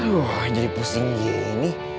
aduh jadi pusing gini